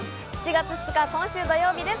７月２日、今週土曜日です。